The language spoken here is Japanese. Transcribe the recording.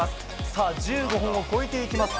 さあ１５本を超えていきます。